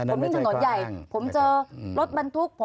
อังไดป่ะครับ